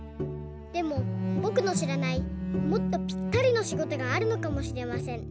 でもぼくのしらないもっとぴったりのしごとがあるのかもしれません。